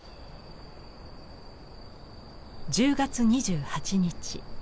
１０月２８日。